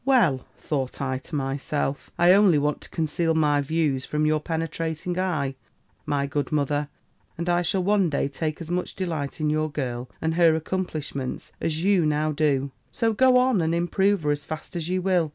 "'Well,' thought I to myself, 'I only want to conceal my views from your penetrating eye, my good mother; and I shall one day take as much delight in your girl, and her accomplishments, as you now do; so go on, and improve her as fast as you will.